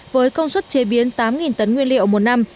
với công suất chế biến tám tấn nguyên liệu một năm